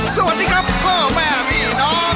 สวัสดีครับพ่อแม่พี่น้อง